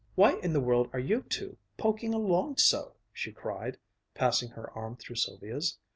"Why in the world are you two poking along so?" she cried, passing her arm through Sylvia's.